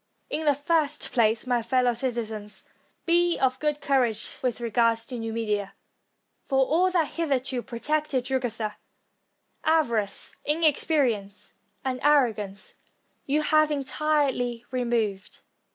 In the first place, my fellow citizens, be of good courage with regard to Numidia ; for aU that hitherto protected Jugurtha, avarice, inexperi ence, and arrogance, you have entirely removed.